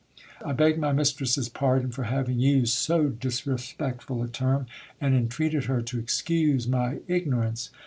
I begged my mis tress's pardon for having used so disrespectful a term, and entreated her to excuse my ignorance.